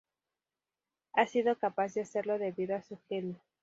Ha sido capaz de hacerlo debido a su genio".